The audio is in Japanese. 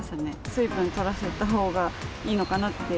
水分とらせたほうがいいのかなって。